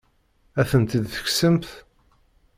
Ad tent-id-tekksemt?